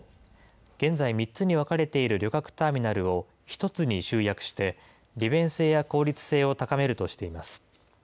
現在３つに分かれている旅客ターミナルを１つに集約して、利便性や効率性を高めるとしています。